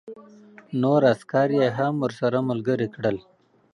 نور عسکر یې هم ورسره ملګري کړل